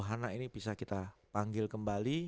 dua puluh anak ini bisa kita panggil kembali